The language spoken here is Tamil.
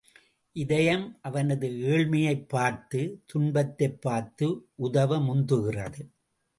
இதயம் அவனது ஏழைமையைப் பார்த்து துன்பத்தைப் பார்த்து உதவ முந்துகிறது.